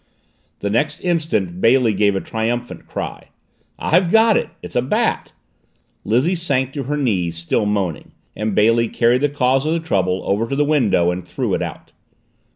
The next instant Bailey gave a triumphant cry. "I've got it! It's a bat!" Lizzie sank to her knees, still moaning, and Bailey carried the cause of the trouble over to the window and threw it out.